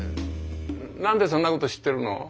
何でそんなこと知ってるの？